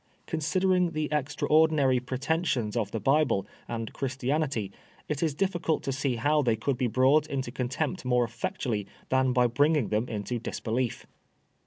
Consider ing the extraordinary pretensions of the Bible and Christianity, it is difficult to see how they could be brought into contempt more effectually than by bring them into disbelief.